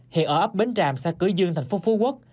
hiện ở ấp bến tràm xã cửa dương tp phú quốc